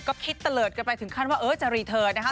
ก็คิดตะเลิดกันไปถึงขั้นว่าจะออกกันมา